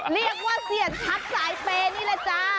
เรียกว่าเสี่ยงทับสายเปย์นี่แหละจ้า